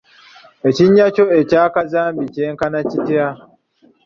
Ekinnya kyo ekya kazambi kyenkana kitya?